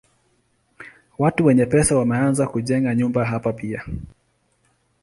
Watu wenye pesa wameanza kujenga nyumba hapa pia.